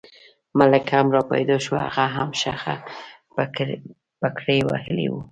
ملک هم را پیدا شو، هغه هم شخه پګړۍ وهلې وه.